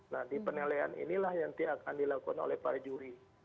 nah di penilaian inilah yang nanti akan dilakukan oleh para juri